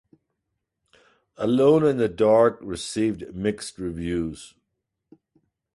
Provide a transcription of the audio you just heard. "Alone in the Dark" received mixed reviews.